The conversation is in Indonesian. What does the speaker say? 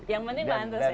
yang penting mantes ya